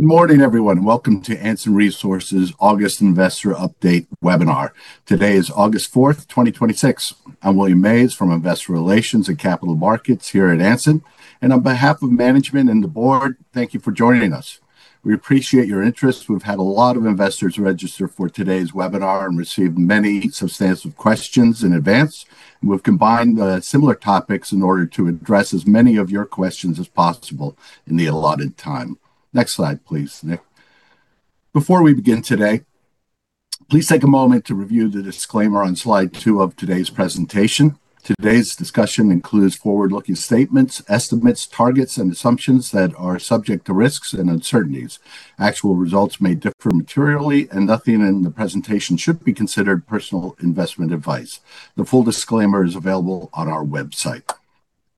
Good morning, everyone. Welcome to Anson Resources August investor update webinar. Today is August 4th, 2026. I'm William Maze from Investor Relations and Capital Markets here at Anson. On behalf of management and the board, thank you for joining us. We appreciate your interest. We've had a lot of investors register for today's webinar and received many substantive questions in advance. We've combined similar topics in order to address as many of your questions as possible in the allotted time. Next slide, please, Nick. Before we begin today, please take a moment to review the disclaimer on slide two of today's presentation. Today's discussion includes forward-looking statements, estimates, targets, and assumptions that are subject to risks and uncertainties. Actual results may differ materially, and nothing in the presentation should be considered personal investment advice. The full disclaimer is available on our website.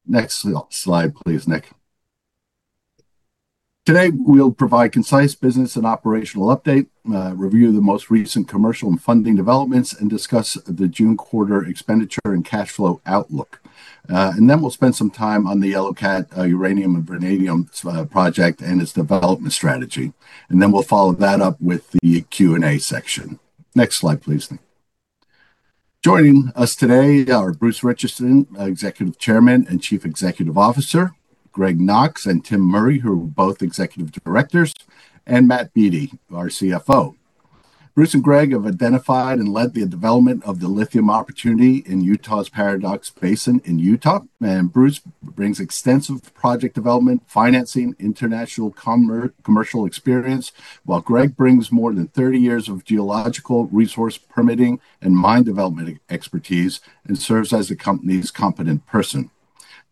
Next slide, please, Nick. Today, we'll provide concise business and operational update, review the most recent commercial and funding developments, and discuss the June quarter expenditure and cash flow outlook. We'll spend some time on the Yellow Cat uranium and vanadium project and its development strategy. We'll follow that up with the Q&A section. Next slide, please, Nick. Joining us today are Bruce Richardson, Executive Chairman and Chief Executive Officer. Greg Knox and Tim Murray, who are both Executive Directors, and Matt Beattie, our CFO. Bruce and Greg have identified and led the development of the lithium opportunity in Utah's Paradox Basin in Utah. Bruce brings extensive project development, financing, international commercial experience, while Greg brings more than 30 years of geological resource permitting and mine development expertise and serves as the company's competent person.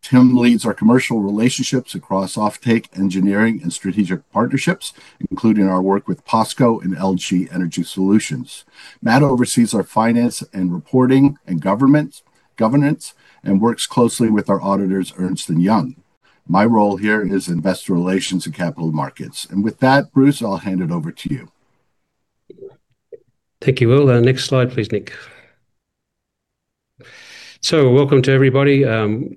Tim leads our commercial relationships across offtake engineering and strategic partnerships, including our work with POSCO and LG Energy Solution. Matt oversees our finance and reporting and governance and works closely with our auditors, Ernst & Young. My role here is Investor Relations and Capital Markets. With that, Bruce, I'll hand it over to you. Thank you, Will. Next slide, please, Nick. Welcome to everybody.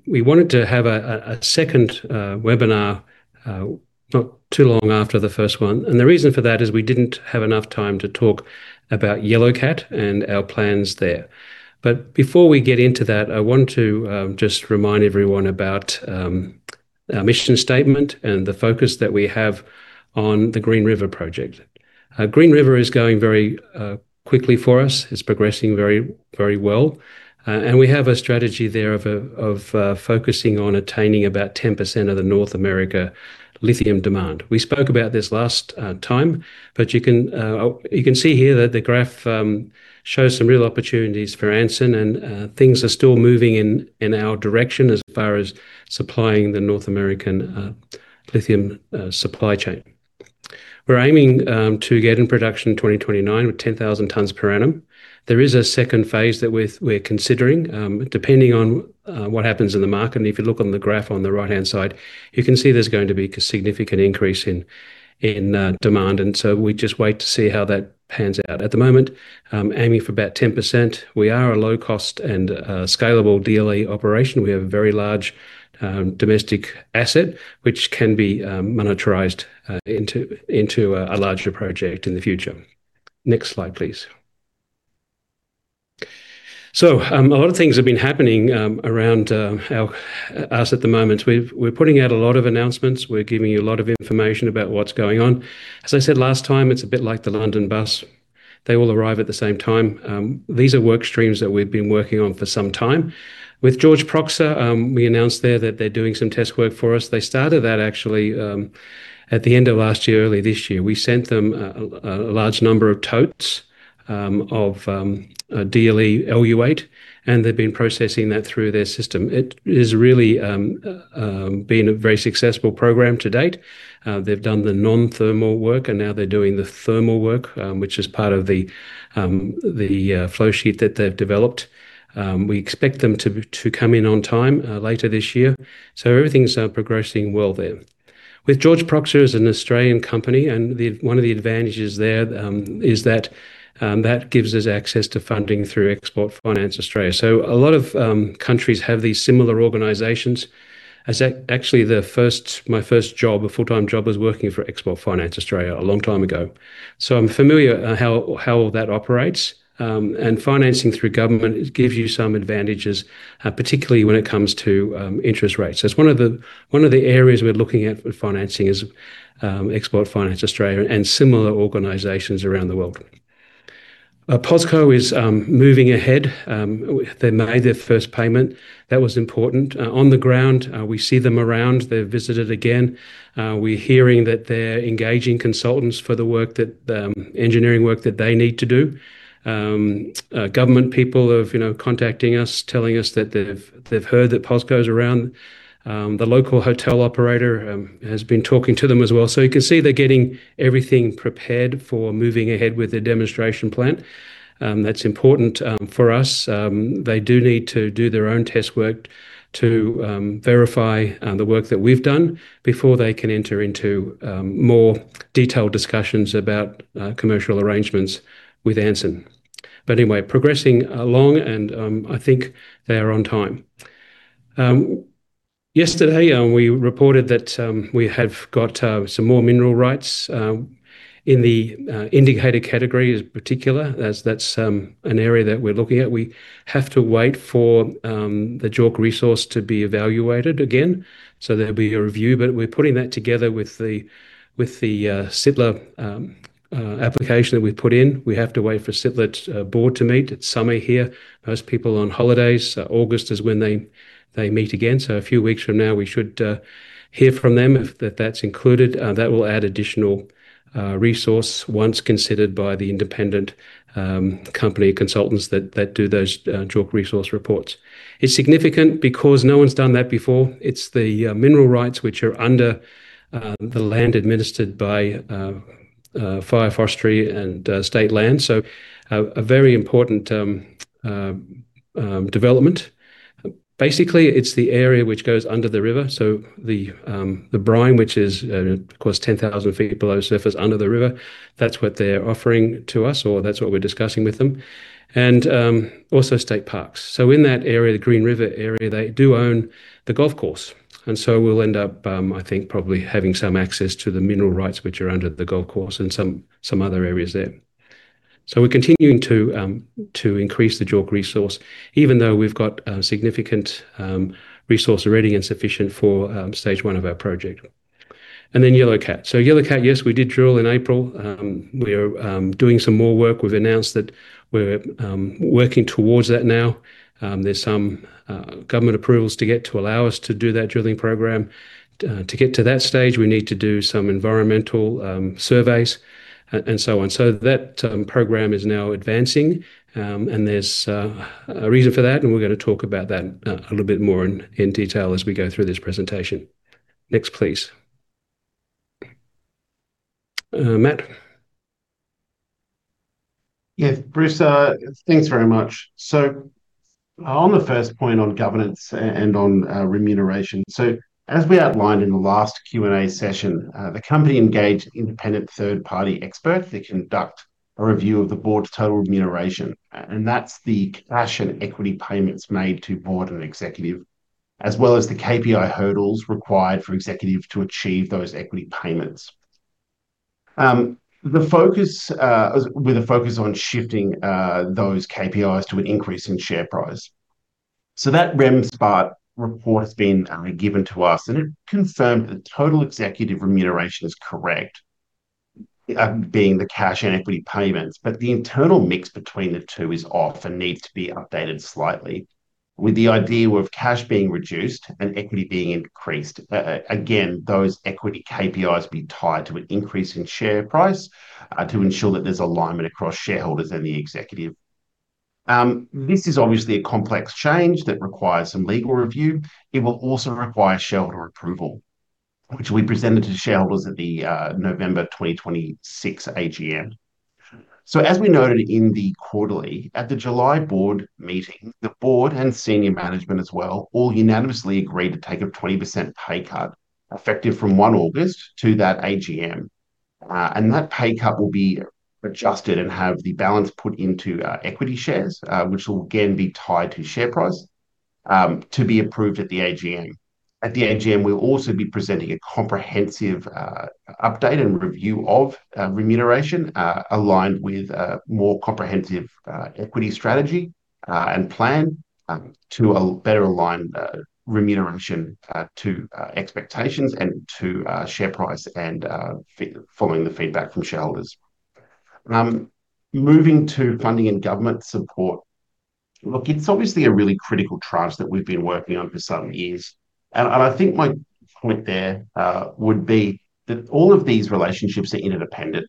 We wanted to have a second webinar not too long after the first one. The reason for that is we didn't have enough time to talk about Yellow Cat and our plans there. Before we get into that, I want to just remind everyone about our mission statement and the focus that we have on the Green River project. Green River is going very quickly for us. It's progressing very well. We have a strategy there of focusing on attaining about 10% of the North America lithium demand. We spoke about this last time, but you can see here that the graph shows some real opportunities for Anson and things are still moving in our direction as far as supplying the North American lithium supply chain. We're aiming to get in production in 2029 with 10,000 tons per annum. There is a second phase that we're considering, depending on what happens in the market. If you look on the graph on the right-hand side, you can see there's going to be a significant increase in demand. We just wait to see how that pans out. At the moment, aiming for about 10%. We are a low-cost and scalable DLE operation. We have a very large domestic asset which can be monetized into a larger project in the future. Next slide, please. A lot of things have been happening around us at the moment. We're putting out a lot of announcements. We're giving you a lot of information about what's going on. As I said last time, it's a bit like the London bus. They all arrive at the same time. These are work streams that we've been working on for some time. With JordProxa, we announced there that they're doing some test work for us. They started that actually at the end of last year, early this year. We sent them a large number of totes of DLE eluate, and they've been processing that through their system. It is really been a very successful program to date. They've done the non-thermal work, and now they're doing the thermal work, which is part of the flowsheet that they've developed. We expect them to come in on time later this year. Everything's progressing well there. JordProxa is an Australian company, and one of the advantages there is that that gives us access to funding through Export Finance Australia. A lot of countries have these similar organizations. Actually, my first job, a full-time job, was working for Export Finance Australia a long time ago. I'm familiar how that operates. Financing through government, it gives you some advantages, particularly when it comes to interest rates. It's one of the areas we're looking at for financing is Export Finance Australia and similar organizations around the world. POSCO is moving ahead. They made their first payment. That was important. On the ground, we see them around. They've visited again. We're hearing that they're engaging consultants for the engineering work that they need to do. Government people have contacting us, telling us that they've heard that POSCO's around. The local hotel operator has been talking to them as well. You can see they're getting everything prepared for moving ahead with the demonstration plant. That's important for us. They do need to do their own test work to verify the work that we've done before they can enter into more detailed discussions about commercial arrangements with Anson. Anyway, progressing along, and I think they are on time. Yesterday, we reported that we have got some more mineral rights in the indicated category as particular. That's an area that we're looking at. We have to wait for the JORC resource to be evaluated again. There'll be a review, but we're putting that together with the SITLA application that we've put in. We have to wait for SITLA's board to meet. It's summer here, most people are on holidays. August is when they meet again. A few weeks from now, we should hear from them if that's included. That will add additional resource once considered by the independent company consultants that do those JORC resource reports. It's significant because no one's done that before. It's the mineral rights which are under the land administered by Division of Forestry, Fire and State Lands. A very important development. Basically, it's the area which goes under the river. The brine, which is of course 10,000 ft below surface under the river, that's what they're offering to us or that's what we're discussing with them. Also state parks. In that area, the Green River area, they do own the golf course. We'll end up, I think, probably having some access to the mineral rights which are under the golf course and some other areas there. We're continuing to increase the JORC resource even though we've got a significant resource already and sufficient for stage 1 of our project. Yellow Cat. Yellow Cat, yes, we did drill in April. We are doing some more work. We've announced that we're working towards that now. There are some government approvals to get to allow us to do that drilling program. To get to that stage, we need to do some environmental surveys and so on. That program is now advancing, and there's a reason for that, and we're going to talk about that a little bit more in detail as we go through this presentation. Next, please. Matt? Bruce, thanks very much. On the first point on governance and on remuneration. As we outlined in the last Q&A session, the company engaged independent third-party experts to conduct a review of the board's total remuneration. That's the cash and equity payments made to board and executive, as well as the KPI hurdles required for executive to achieve those equity payments. With a focus on shifting those KPIs to an increase in share price. That REMSMART report has been given to us, and it confirmed that the total executive remuneration is correct, being the cash and equity payments. The internal mix between the two is off and needs to be updated slightly with the idea of cash being reduced and equity being increased. Those equity KPIs be tied to an increase in share price to ensure that there's alignment across shareholders and the executive. This is obviously a complex change that requires some legal review. It will also require shareholder approval, which will be presented to shareholders at the November 2026 AGM. As we noted in the quarterly, at the July board meeting, the board and senior management as well all unanimously agreed to take a 20% pay cut effective from 1 August to that AGM. That pay cut will be adjusted and have the balance put into equity shares, which will again be tied to share price, to be approved at the AGM. At the AGM, we'll also be presenting a comprehensive update and review of remuneration, aligned with a more comprehensive equity strategy, and plan, to better align remuneration to expectations and to share price following the feedback from shareholders. Moving to funding and government support. Look, it's obviously a really critical trust that we've been working on for some years. I think my point there would be that all of these relationships are interdependent.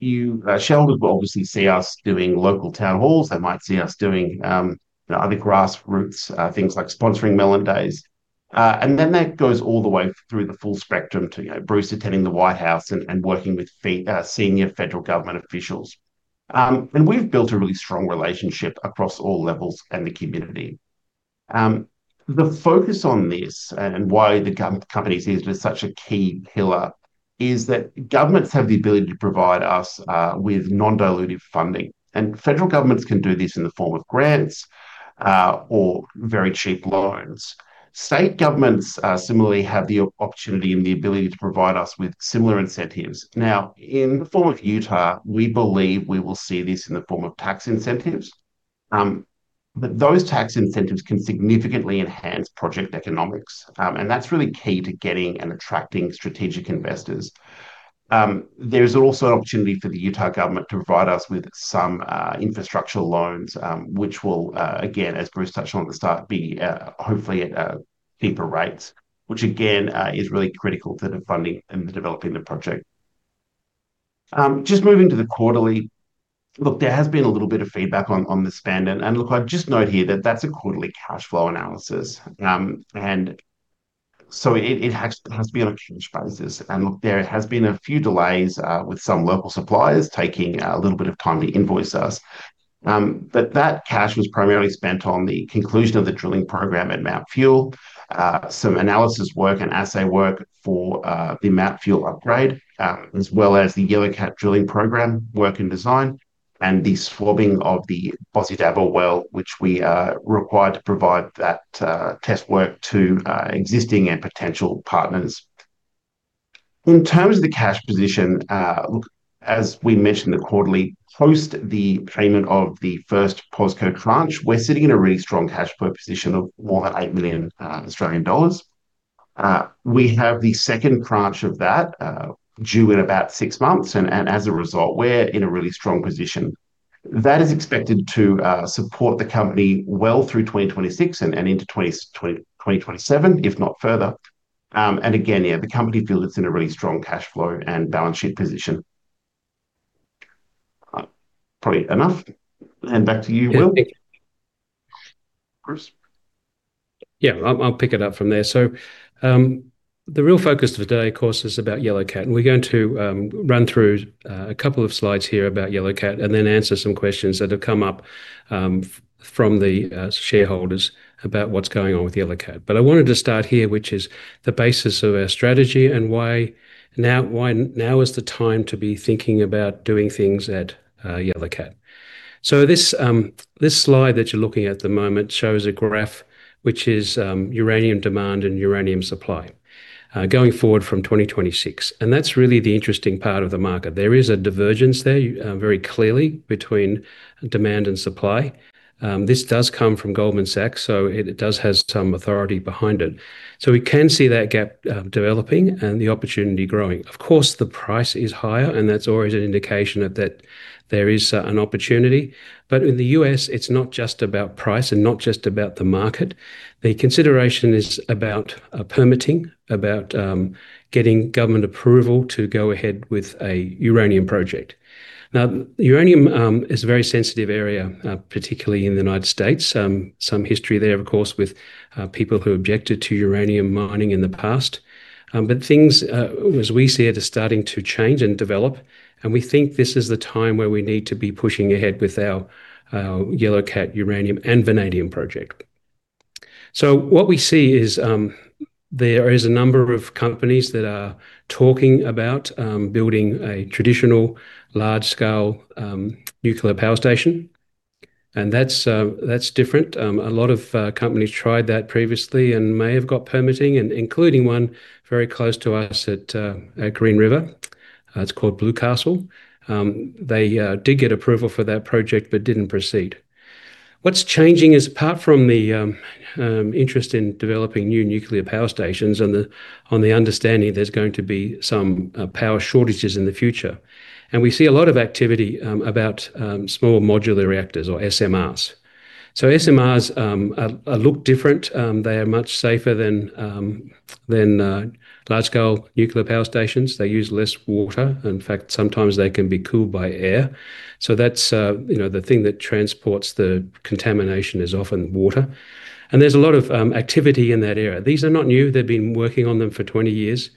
You, shareholders will obviously see us doing local town halls. They might see us doing other grassroots things like sponsoring Melon Days. Then that goes all the way through the full spectrum to Bruce attending the White House and working with senior federal government officials. We've built a really strong relationship across all levels and the community. The focus on this and why the company sees it as such a key pillar is that governments have the ability to provide us with non-dilutive funding. Federal governments can do this in the form of grants or very cheap loans. State governments, similarly, have the opportunity and the ability to provide us with similar incentives. Now, in the form of Utah, we believe we will see this in the form of tax incentives. Those tax incentives can significantly enhance project economics. That's really key to getting and attracting strategic investors. There is also an opportunity for the Utah government to provide us with some infrastructural loans, which will, again, as Bruce touched on at the start, be hopefully at deeper rates, which again, is really critical to the funding and the developing of the project. Just moving to the quarterly. Look, there has been a little bit of feedback on the spend. Look, I'd just note here that that's a quarterly cash flow analysis. So it has to be on a cash basis. Look, there has been a few delays with some local suppliers taking a little bit of time to invoice us. But that cash was primarily spent on the conclusion of the drilling program at Mt Fuel, some analysis work and assay work for the Mt Fuel upgrade, as well as the Yellow Cat drilling program work and design and the swabbing of the Bosydaba#1 well, which we are required to provide that test work to existing and potential partners. In terms of the cash position, look, as we mentioned the quarterly, post the payment of the first POSCO tranche, we're sitting in a really strong cash flow position of more than 8 million Australian dollars. We have the second tranche of that due in about six months, and as a result, we're in a really strong position. That is expected to support the company well through 2026 and into 2027, if not further. Again, yeah, the company feels it's in a really strong cash flow and balance sheet position. Probably enough, and back to you, Will. Bruce? Yeah. I'll pick it up from there. The real focus of today, of course, is about Yellow Cat. We're going to run through a couple of slides here about Yellow Cat and then answer some questions that have come up from the shareholders about what's going on with Yellow Cat. I wanted to start here, which is the basis of our strategy and why now is the time to be thinking about doing things at Yellow Cat. This slide that you're looking at at the moment shows a graph, which is uranium demand and uranium supply going forward from 2026. That's really the interesting part of the market. There is a divergence there, very clearly, between demand and supply. This does come from Goldman Sachs, so it does have some authority behind it. We can see that gap developing and the opportunity growing. Of course, the price is higher. That's always an indication that there is an opportunity. In the U.S., it's not just about price and not just about the market. The consideration is about permitting, about getting government approval to go ahead with a uranium project. Uranium is a very sensitive area, particularly in the United States. Some history there, of course, with people who objected to uranium mining in the past. Things, as we see it, are starting to change and develop, and we think this is the time where we need to be pushing ahead with our Yellow Cat Uranium and Vanadium Project. What we see is there is a number of companies that are talking about building a traditional large-scale nuclear power station. That's different. A lot of companies tried that previously and may have got permitting and including one very close to us at Green River. It's called Blue Castle. They did get approval for that project but didn't proceed. What's changing is, apart from the interest in developing new nuclear power stations on the understanding there's going to be some power shortages in the future, we see a lot of activity about small modular reactors or SMRs. SMRs look different. They are much safer than large-scale nuclear power stations. They use less water. In fact, sometimes they can be cooled by air. That's the thing that transports the contamination is often water. There's a lot of activity in that area. These are not new. They've been working on them for 20 years.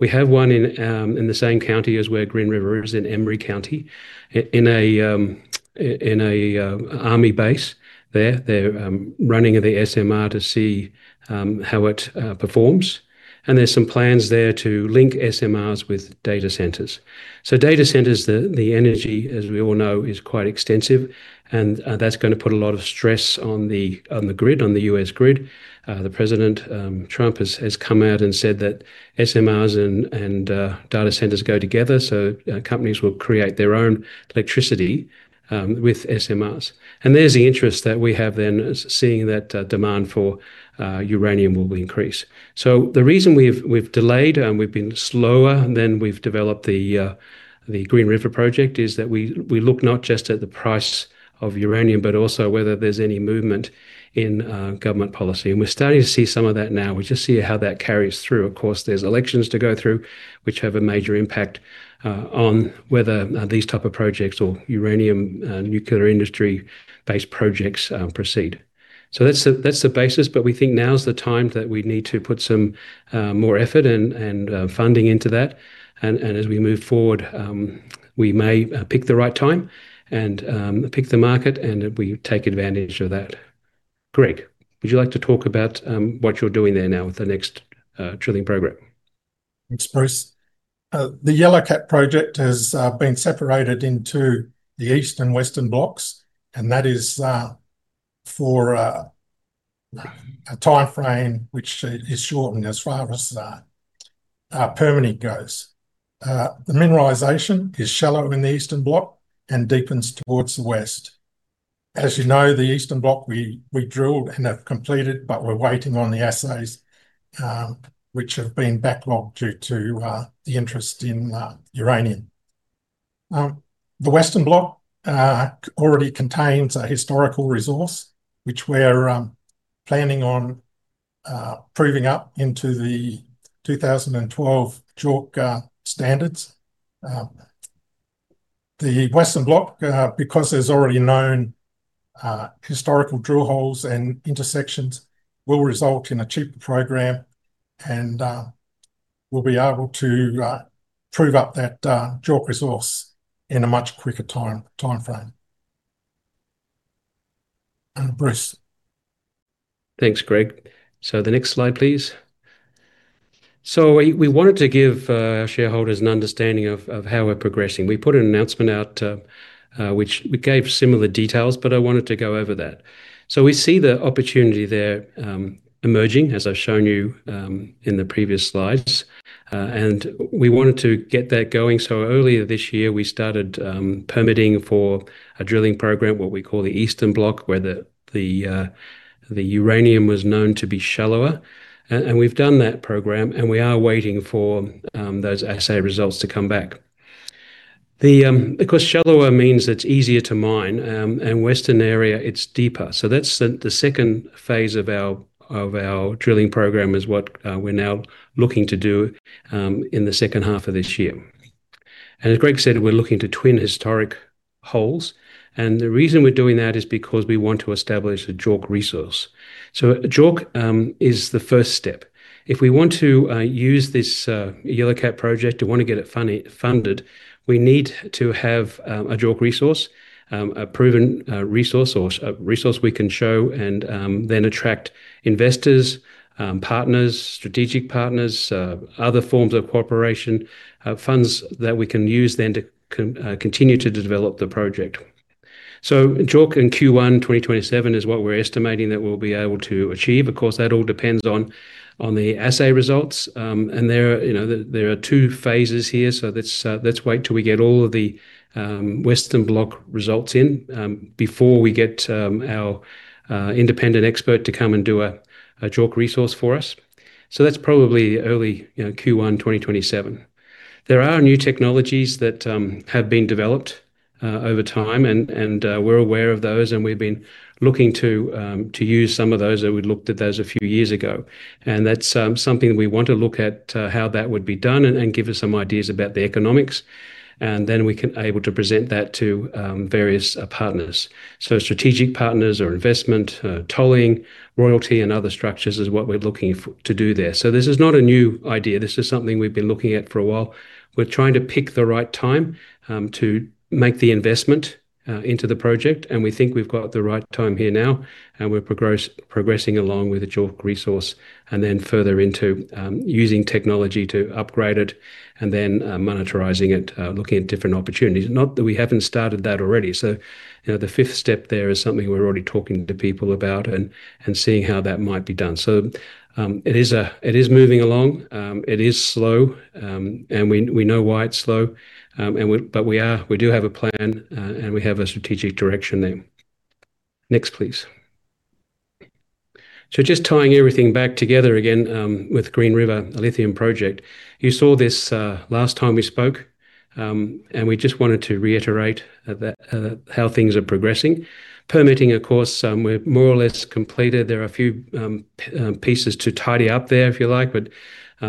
We have one in the same county as where Green River is, in Emery County, in a army base there. There's some plans there to link SMRs with data centers. Data centers, the energy, as we all know, is quite extensive. That's going to put a lot of stress on the grid, on the U.S. grid. President Trump has come out and said that SMRs and data centers go together, companies will create their own electricity with SMRs. There's the interest that we have then is seeing that demand for uranium will increase. The reason we've delayed and we've been slower than we've developed the Green River project is that we look not just at the price of uranium, but also whether there's any movement in government policy. We're starting to see some of that now. We'll just see how that carries through. Of course, there's elections to go through, which have a major impact on whether these type of projects or uranium nuclear industry-based projects proceed. That's the basis, but we think now is the time that we need to put some more effort and funding into that. As we move forward, we may pick the right time and pick the market, and we take advantage of that. Greg, would you like to talk about what you're doing there now with the next drilling program? Thanks, Bruce. The Yellow Cat project has been separated into the east and western blocks, and that is for a timeframe which is shortened as far as permitting goes. The mineralization is shallow in the Eastern Block and deepens towards the west. As you know, the Eastern Block we drilled and have completed, but we're waiting on the assays, which have been backlogged due to the interest in uranium. The western block already contains a historical resource, which we're planning on proving up into the 2012 JORC standards. The western block, because there's already known historical drill holes and intersections, will result in a cheaper program, and we'll be able to prove up that JORC resource in a much quicker timeframe. Bruce. Thanks, Greg. The next slide, please. We wanted to give our shareholders an understanding of how we're progressing. We put an announcement out, which we gave similar details, but I wanted to go over that. We see the opportunity there emerging, as I've shown you in the previous slides. We wanted to get that going, so earlier this year, we started permitting for a drilling program, what we call the Eastern Block, where the uranium was known to be shallower. We've done that program, and we are waiting for those assay results to come back. Because shallower means it's easier to mine. In Western area, it's deeper. That's the second phase of our drilling program is what we're now looking to do in the second half of this year. As Greg said, we're looking to twin historic holes. The reason we're doing that is because we want to establish a JORC resource. A JORC is the first step. If we want to use this Yellow Cat project and want to get it funded, we need to have a JORC resource, a proven resource or a resource we can show and then attract investors, partners, strategic partners, other forms of cooperation, funds that we can use then to continue to develop the project. JORC in Q1 2027 is what we're estimating that we'll be able to achieve. Of course, that all depends on the assay results. There are two phases here. Let's wait till we get all of the Western Block results in before we get our independent expert to come and do a JORC resource for us. That's probably early Q1 2027. There are new technologies that have been developed over time, we're aware of those, we've been looking to use some of those. We looked at those a few years ago. That's something we want to look at how that would be done and give us some ideas about the economics. Then we can able to present that to various partners. Strategic partners or investment, tolling, royalty, and other structures is what we're looking for to do there. This is not a new idea. This is something we've been looking at for a while. We're trying to pick the right time to make the investment into the project, and we think we've got the right time here now, and we're progressing along with the JORC resource, and then further into using technology to upgrade it and then monetizing it, looking at different opportunities. Not that we haven't started that already. The fifth step there is something we're already talking to people about and seeing how that might be done. It is moving along. It is slow. We know why it's slow. We do have a plan, and we have a strategic direction there. Next, please. Just tying everything back together again, with Green River Lithium Project. You saw this last time we spoke. We just wanted to reiterate how things are progressing. Permitting, of course, we're more or less completed. There are a few pieces to tidy up there, if you like.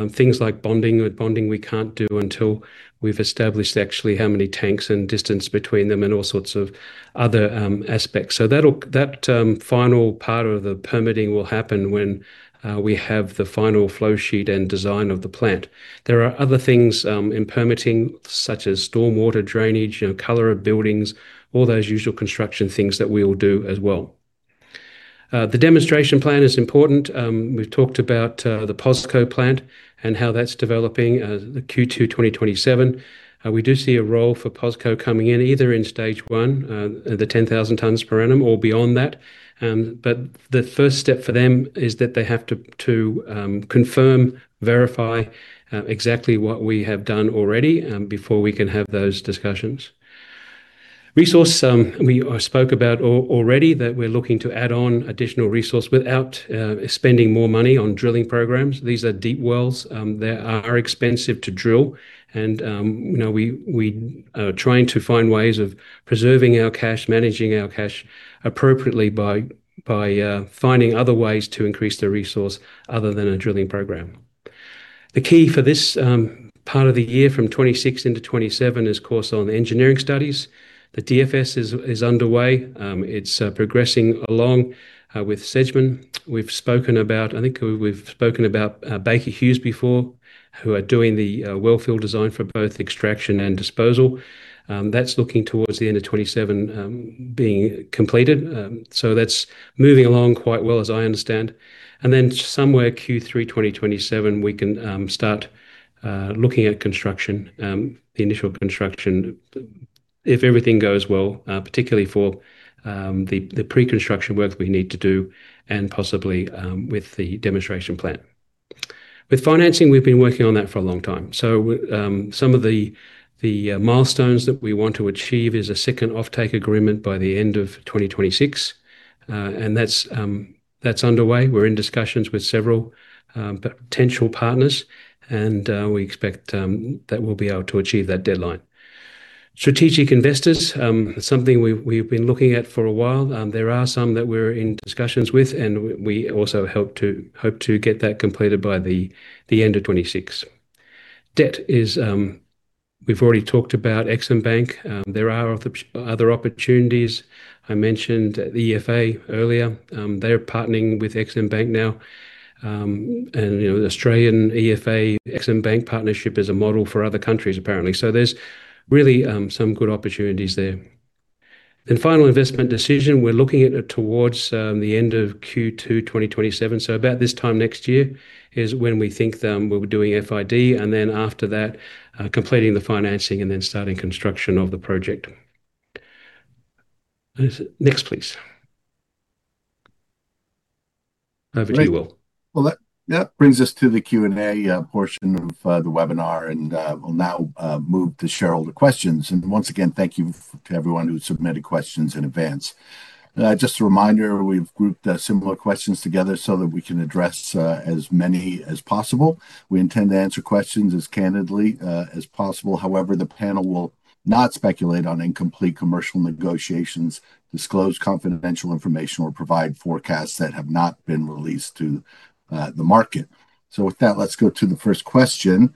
Things like bonding. With bonding, we can't do until we've established actually how many tanks and distance between them and all sorts of other aspects. That final part of the permitting will happen when we have the final flow sheet and design of the plant. There are other things in permitting, such as stormwater drainage, color of buildings, all those usual construction things that we'll do as well. The demonstration plan is important. We've talked about the POSCO plant and how that's developing as of Q2 2027. We do see a role for POSCO coming in, either in stage 1, the 10,000 tons per annum, or beyond that. The first step for them is that they have to confirm, verify exactly what we have done already before we can have those discussions. Resource. I spoke about already that we're looking to add on additional resource without spending more money on drilling programs. These are deep wells. They are expensive to drill. We are trying to find ways of preserving our cash, managing our cash appropriately by finding other ways to increase the resource other than a drilling program. The key for this part of the year from 2026 into 2027 is, of course, on the engineering studies. The DFS is underway. It's progressing along with Sedgman. I think we've spoken about Baker Hughes before, who are doing the well field design for both extraction and disposal. That's looking towards the end of 2027 being completed. That's moving along quite well, as I understand. Then somewhere Q3 2027, we can start looking at construction, the initial construction, if everything goes well, particularly for the pre-construction work we need to do and possibly with the demonstration plant. With financing, we've been working on that for a long time. Some of the milestones that we want to achieve is a second offtake agreement by the end of 2026. That's underway. We're in discussions with several potential partners. We expect that we'll be able to achieve that deadline. Strategic investors. Something we've been looking at for a while. There are some that we're in discussions with, and we also hope to get that completed by the end of 2026. Debt is, we've already talked about EXIM Bank. There are other opportunities. I mentioned the EFA earlier. They're partnering with EXIM Bank now. The Australian EFA EXIM Bank partnership is a model for other countries, apparently. There's really some good opportunities there. Final investment decision. We're looking at towards the end of Q2 2027, so about this time next year is when we think we'll be doing FID, and then after that, completing the financing and then starting construction of the project. Next, please. Over to you, Will. Great. That brings us to the Q&A portion of the webinar, and we'll now move to shareholder questions. Once again, thank you to everyone who submitted questions in advance. Just a reminder, we've grouped similar questions together so that we can address as many as possible. We intend to answer questions as candidly as possible. However, the panel will not speculate on incomplete commercial negotiations, disclose confidential information, or provide forecasts that have not been released to the market. With that, let's go to the first question,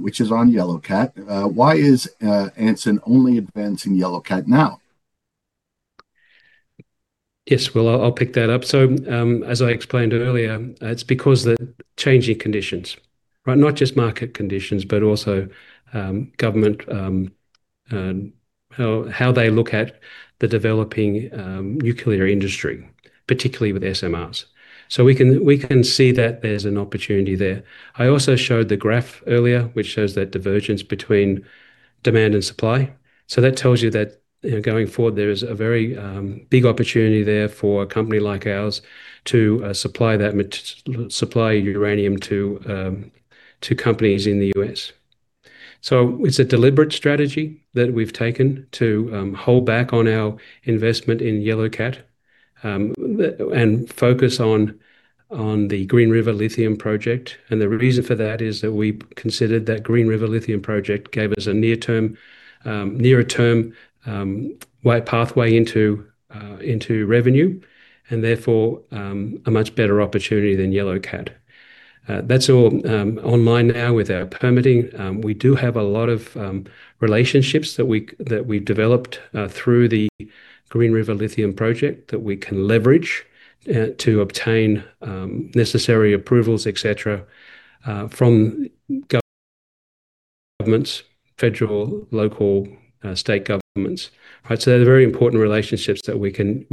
which is on Yellow Cat. Why is Anson only advancing Yellow Cat now? Yes, Will, I'll pick that up. As I explained earlier, it's because of the changing conditions, right? Not just market conditions, but also government and how they look at the developing nuclear industry, particularly with SMRs. We can see that there's an opportunity there. I also showed the graph earlier, which shows that divergence between demand and supply. That tells you that going forward, there is a very big opportunity there for a company like ours to supply uranium to companies in the U.S. It's a deliberate strategy that we've taken to hold back on our investment in Yellow Cat, and focus on the Green River Lithium Project. The reason for that is that we considered that Green River Lithium Project gave us a nearer term pathway into revenue and therefore, a much better opportunity than Yellow Cat. That's all online now with our permitting. We do have a lot of relationships that we've developed through the Green River Lithium Project that we can leverage to obtain necessary approvals, et cetera, from governments, federal, local, state governments. They're very important relationships that we can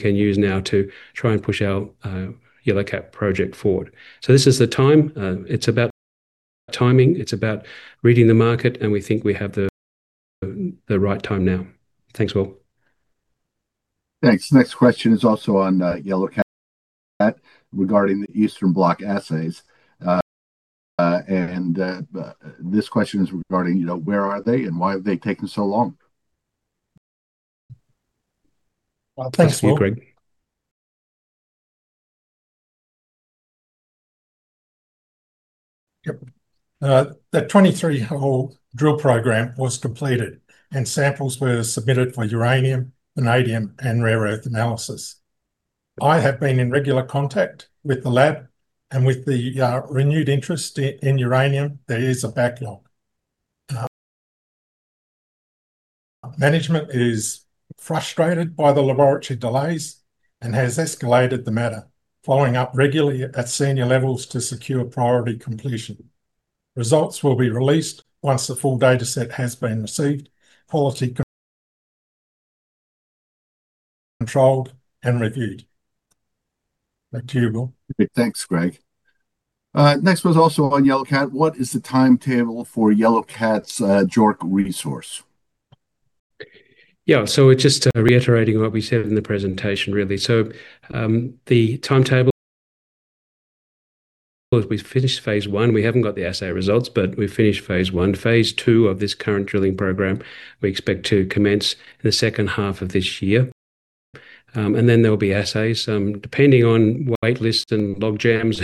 use now to try and push our Yellow Cat project forward. This is the time. It's about timing, it's about reading the market, and we think we have the right time now. Thanks, Will. Thanks. Next question is also on Yellow Cat regarding the Eastern Block assays. This question is regarding where are they and why have they taken so long? Thanks, Will. Greg. Yep. The 23-hole drill program was completed, and samples were submitted for uranium, vanadium and rare earth analysis. I have been in regular contact with the lab and with the renewed interest in uranium, there is a backlog. Management is frustrated by the laboratory delays and has escalated the matter following up regularly at senior levels to secure priority completion. Results will be released once the full data set has been received, quality-controlled, and reviewed. Back to you, Will. Great. Thanks, Greg. Next one's also on Yellow Cat. What is the timetable for Yellow Cat's JORC resource? It's just reiterating what we said in the presentation, really. The timetable is we've finished phase 1. We haven't got the assay results, but we've finished phase 1. Phase 2 of this current drilling program, we expect to commence in the second half of this year. There'll be assays. Depending on wait lists and log jams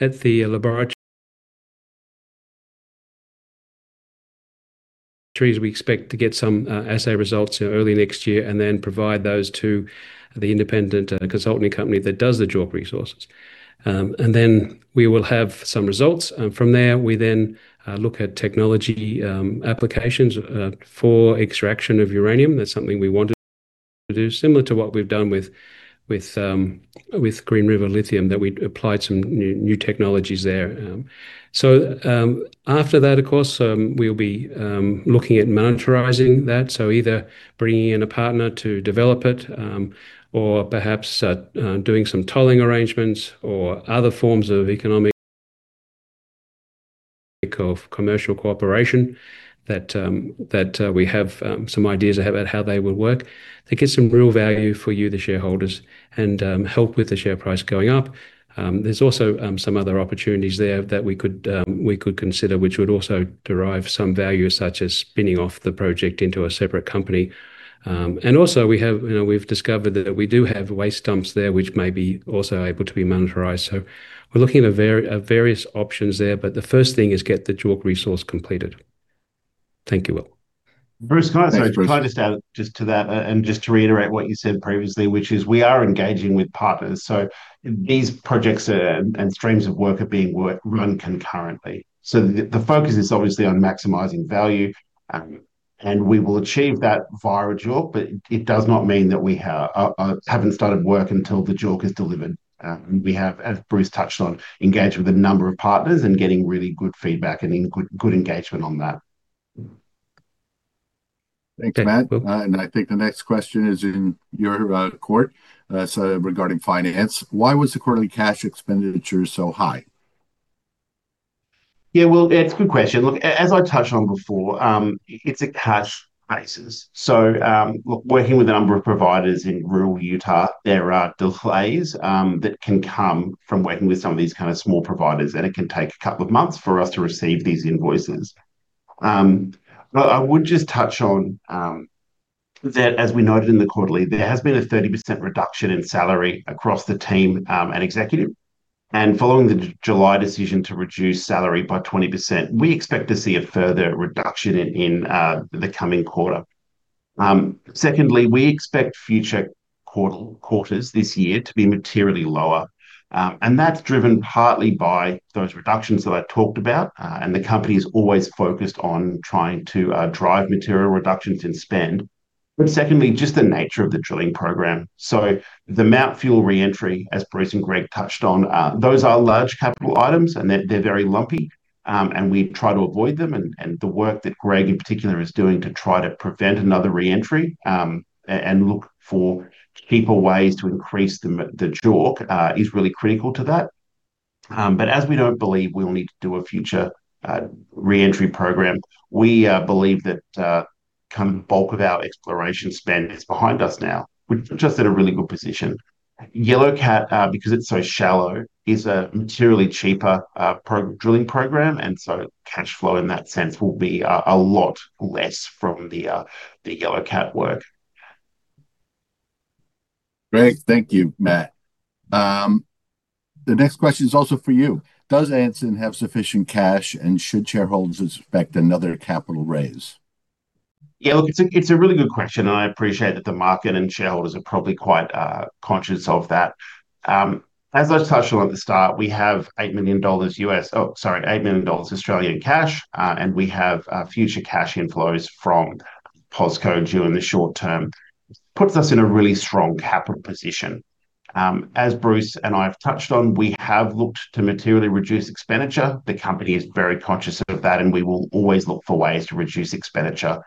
at the laboratories, we expect to get some assay results early next year and then provide those to the independent consulting company that does the JORC resources. We will have some results. From there, we then look at technology applications for extraction of uranium. That's something we want to do, similar to what we've done with Green River Lithium, that we applied some new technologies there. After that, of course, we'll be looking at monetizing that, so either bringing in a partner to develop it, or perhaps doing some tolling arrangements or other forms of economic commercial cooperation that we have some ideas about how they would work to get some real value for you, the shareholders, and help with the share price going up. There's also some other opportunities there that we could consider, which would also derive some value, such as spinning off the project into a separate company. Also we've discovered that we do have waste dumps there, which may be also able to be monetized. We're looking at various options there, but the first thing is get the JORC resource completed. Thank you, Will. Bruce, can I- Thanks, Bruce. Sorry, can I just add just to that, just to reiterate what you said previously, which is we are engaging with partners. These projects and streams of work are being run concurrently. The focus is obviously on maximizing value, and we will achieve that via JORC, it does not mean that we haven't started work until the JORC is delivered. We have, as Bruce touched on, engaged with a number of partners and getting really good feedback and good engagement on that. Thanks, Matt. I think the next question is in your court. Regarding finance, why was the quarterly cash expenditure so high? Yeah. Well, it's a good question. Look, as I touched on before, it's a cash basis. Working with a number of providers in rural Utah, there are delays that can come from working with some of these kind of small providers, and it can take a couple of months for us to receive these invoices. I would just touch on that as we noted in the quarterly, there has been a 30% reduction in salary across the team and executive. Following the July decision to reduce salary by 20%, we expect to see a further reduction in the coming quarter. Secondly, we expect future quarters this year to be materially lower. That's driven partly by those reductions that I talked about. The company's always focused on trying to drive material reductions in spend, secondly, just the nature of the drilling program. The Mt Fuel re-entry, as Bruce and Greg touched on, those are large capital items and they're very lumpy, and we try to avoid them and the work that Greg in particular is doing to try to prevent another re-entry, and look for cheaper ways to increase the JORC is really critical to that. As we don't believe we'll need to do a future re-entry program, we believe that kind of bulk of our exploration spend is behind us now. We're just at a really good position. Yellow Cat, because it's so shallow, is a materially cheaper drilling program, and cash flow in that sense will be a lot less from the Yellow Cat work. Great. Thank you, Matt. The next question is also for you. Does Anson have sufficient cash and should shareholders expect another capital raise? Yeah, look, it's a really good question, and I appreciate that the market and shareholders are probably quite conscious of that. As I touched on at the start, we have $8 million, oh, sorry, 8 million dollars cash. We have future cash inflows from POSCO due in the short term. Puts us in a really strong capital position. As Bruce and I have touched on, we have looked to materially reduce expenditure. The company is very conscious of that, and we will always look for ways to reduce expenditure.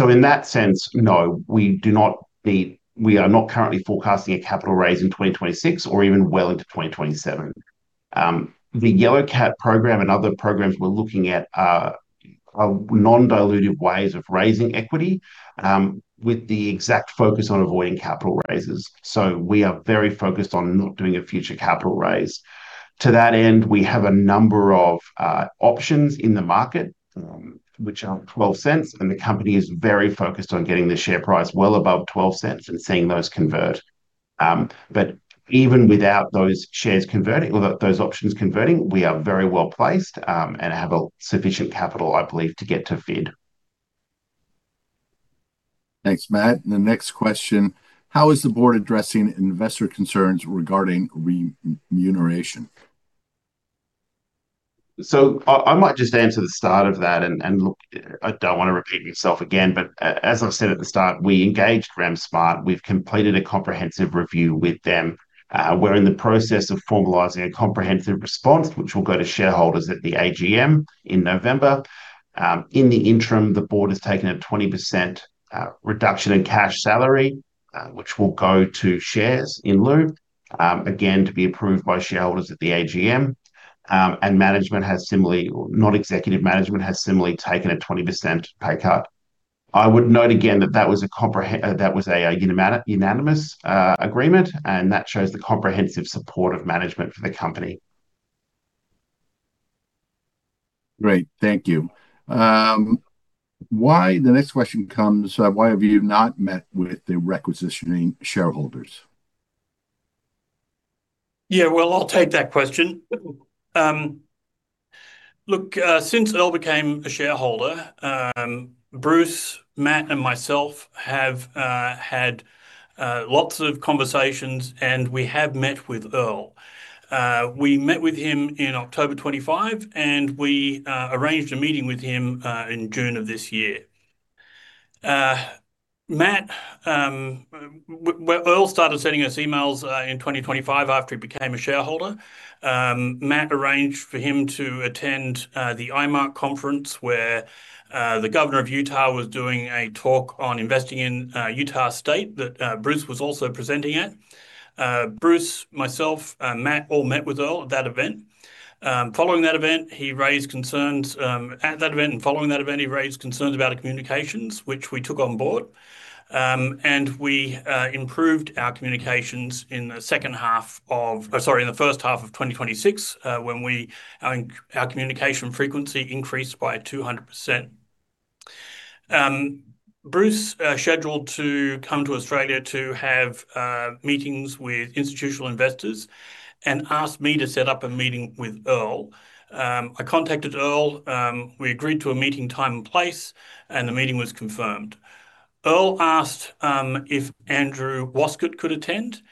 In that sense, no, we are not currently forecasting a capital raise in 2026 or even well into 2027. The Yellow Cat program and other programs we're looking at are non-dilutive ways of raising equity, with the exact focus on avoiding capital raises. We are very focused on not doing a future capital raise. To that end, we have a number of options in the market, which are 0.12, and the company is very focused on getting the share price well above 0.12 and seeing those convert. Even without those shares converting or those options converting, we are very well-placed, and have a sufficient capital, I believe, to get to FID. Thanks, Matt. The next question, how is the board addressing investor concerns regarding remuneration? I might just answer the start of that and look, I don't want to repeat myself again, but as I've said at the start, we engaged REMSMART. We've completed a comprehensive review with them. We're in the process of formalizing a comprehensive response, which will go to shareholders at the AGM in November. In the interim, the board has taken a 20% reduction in cash salary, which will go to shares in lieu. Again, to be approved by shareholders at the AGM. Non-executive management has similarly taken a 20% pay cut. I would note again that that was a unanimous agreement, and that shows the comprehensive support of management for the company. Great. Thank you. The next question comes, why have you not met with the requisitioning shareholders? Yeah. Well, I'll take that question. Look, since Erle became a shareholder, Bruce, Matt and myself have had lots of conversations and we have met with Erle. We met with him in October 25, and we arranged a meeting with him in June of this year. Erle started sending us emails in 2025 after he became a shareholder. Matt arranged for him to attend the IMARC conference where the governor of Utah was doing a talk on investing in Utah State that Bruce was also presenting at. Bruce, myself, Matt all met with Erle at that event. At that event and following that event, he raised concerns about our communications, which we took on board. We improved our communications in the first half of 2026, when our communication frequency increased by 200%. Bruce scheduled to come to Australia to have meetings with institutional investors and asked me to set up a meeting with Erle. I contacted Erle, we agreed to a meeting time and place, and the meeting was confirmed. Erle asked if Andrew Woskett could attend.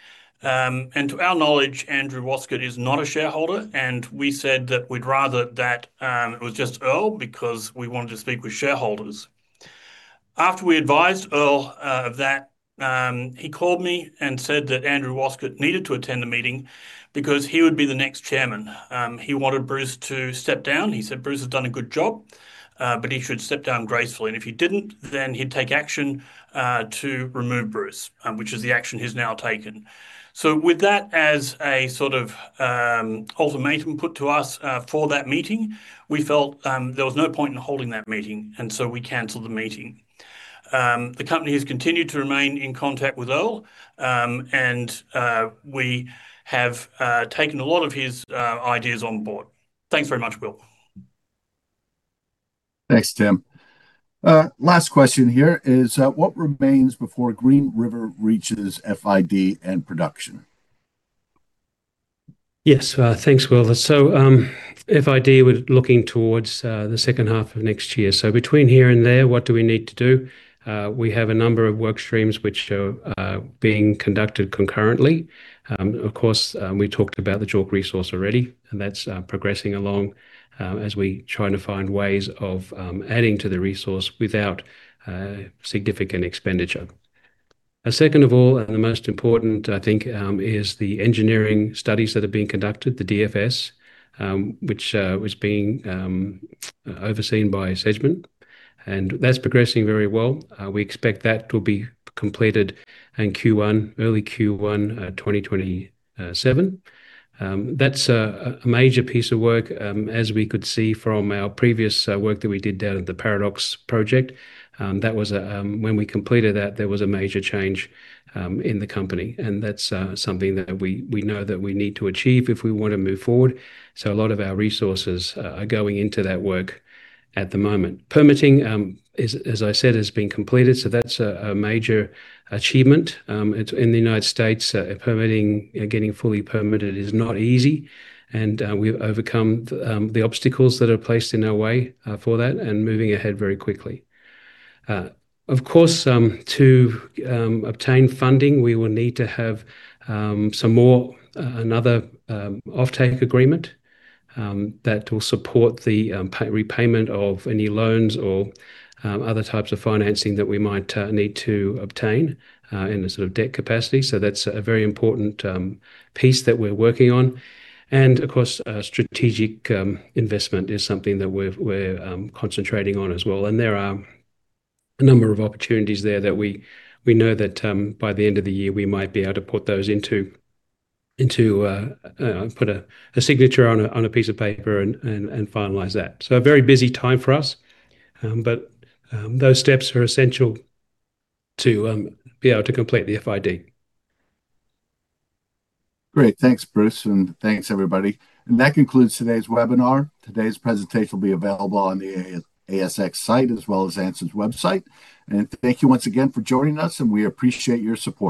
To our knowledge, Andrew Woskett is not a shareholder and we said that we'd rather that it was just Erle because we wanted to speak with shareholders. After we advised Erle of that, he called me and said that Andrew Woskett needed to attend the meeting because he would be the next chairman. He wanted Bruce to step down. He said Bruce has done a good job, but he should step down gracefully. If he didn't, then he'd take action to remove Bruce, which is the action he's now taken. With that as a sort of ultimatum put to us for that meeting, we felt there was no point in holding that meeting, we canceled the meeting. The company has continued to remain in contact with Erle, and we have taken a lot of his ideas on board. Thanks very much, Will. Thanks, Tim. Last question here is what remains before Green River reaches FID and production? Yes. Thanks, Will. FID, we're looking towards the second half of next year. Between here and there, what do we need to do? We have a number of work streams which are being conducted concurrently. Of course, we talked about the JORC resource already, and that's progressing along as we try to find ways of adding to the resource without significant expenditure. Second of all, and the most important, I think is the engineering studies that are being conducted, the DFS, which was being overseen by Sedgman, that's progressing very well. We expect that to be completed in early Q1 2027. That's a major piece of work as we could see from our previous work that we did down at the Paradox Lithium Project. When we completed that, there was a major change in the company. That's something that we know that we need to achieve if we want to move forward. A lot of our resources are going into that work at the moment. Permitting, as I said, has been completed. That's a major achievement. In the U.S., getting fully permitted is not easy. We've overcome the obstacles that are placed in our way for that and moving ahead very quickly. Of course, to obtain funding, we will need to have another offtake agreement that will support the repayment of any loans or other types of financing that we might need to obtain in a sort of debt capacity. That's a very important piece that we're working on. Of course, strategic investment is something that we're concentrating on as well. There are a number of opportunities there that we know that by the end of the year we might be able to put a signature on a piece of paper and finalize that. A very busy time for us, those steps are essential to be able to complete the FID. Great. Thanks, Bruce, and thanks everybody. That concludes today's webinar. Today's presentation will be available on the ASX site as well as Anson's website. Thank you once again for joining us. We appreciate your support.